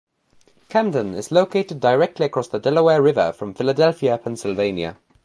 Camden is located directly across the Delaware River from Philadelphia, Pennsylvania.